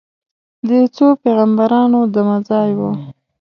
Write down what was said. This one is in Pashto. د څو پیغمبرانو دمه ځای و.